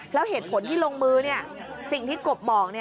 แล้วเหตุผลที่ลงมือสิ่งที่กบบอก